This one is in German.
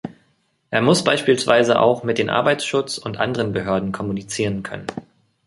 Er muss beispielsweise auch mit den Arbeitsschutz- und anderen Behörden kommunizieren können.